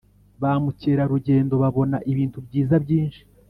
ba mukerarugendo babona ibintu byiza byinshi